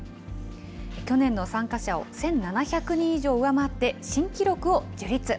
去年の参加者を１７００人以上上回って、新記録を樹立。